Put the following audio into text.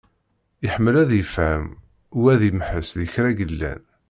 Iḥemmel ad yefhem u ad imeḥḥeṣ di kra yellan.